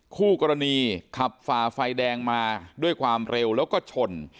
คู่กรณีขับฝ่าไฟแดงมาด้วยความเร็วแล้วก็ชน